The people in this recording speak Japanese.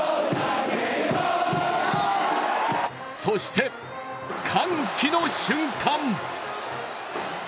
そして、歓喜の瞬間。